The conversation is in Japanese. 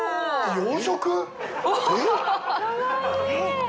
えっ？